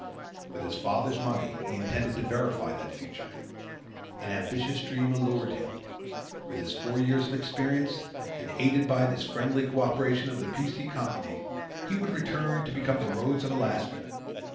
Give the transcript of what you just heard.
With his father's money he intended to verify that future. An ambitious dream allured him. With his four years of experience, and aided by the friendly cooperation of the P. C. Company, he would return to become the Rhodes of Alaska.